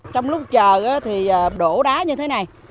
trong lúc chờ thì đổ đá như thế này